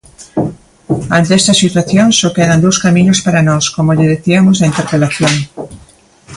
Ante esta situación, só quedan dous camiños para nós, como lle diciamos na interpelación.